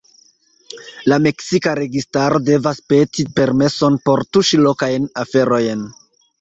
La meksika registaro devas peti permeson por tuŝi lokajn aferojn.